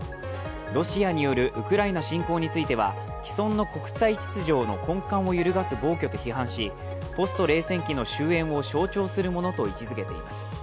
ロシアによるウクライナ侵攻については既存の国際秩序の根幹を揺るがす暴挙と批判しポスト冷戦期の終えんを象徴するものと位置づけています。